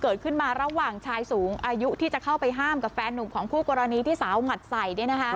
เกิดขึ้นมาระหว่างชายสูงอายุที่จะเข้าไปห้ามกับแฟนหนุ่มของคู่กรณีที่สาวหงัดใส่